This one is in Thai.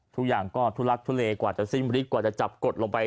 ทุกอย่างก็ทุลักทุเลกว่าจะสิ้นฤทกว่าจะจับกดลงไป